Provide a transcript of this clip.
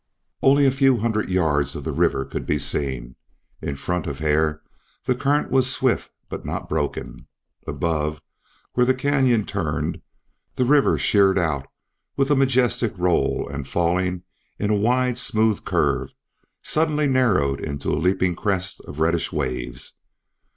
Only a few hundred rods of the river could be seen. In front of Hare the current was swift but not broken. Above, where the canyon turned, the river sheered out with a majestic roll and falling in a wide smooth curve suddenly narrowed into a leaping crest of reddish waves.